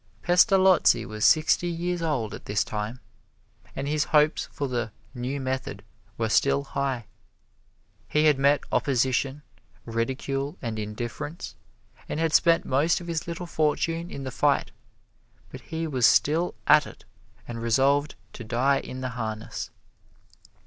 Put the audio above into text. Pestalozzi was sixty years old at this time, and his hopes for the "new method" were still high. He had met opposition, ridicule and indifference, and had spent most of his little fortune in the fight, but he was still at it and resolved to die in the harness.